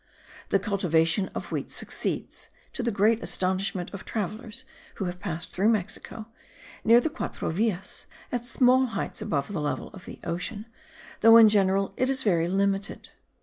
The cultivation of wheat succeeds (to the great astonishment of travellers who have passed through Mexico), near the Quatro Villas, at small heights above the level of the ocean, though in general it is very limited.